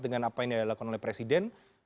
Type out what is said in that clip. dengan apa yang dilakukan oleh presiden